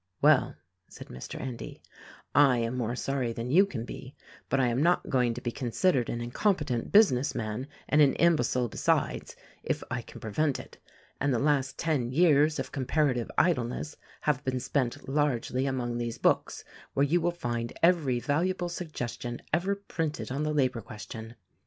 "Well," said Mr. Endy, "I am more sorry than you can be; but I am not going to be considered an incompetent business man — and an imbecile besides — if I can prevent it; and the last ten years of comparative idleness have been spent largely among these books where you will find every valuable suggestion ever printed on the labor question.